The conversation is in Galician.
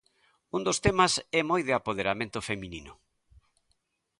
Un dos temas é moi de apoderamento feminino.